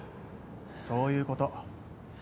そういうこと。